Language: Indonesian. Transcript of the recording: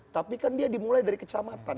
tapi kan dia dimulai dari kecamatan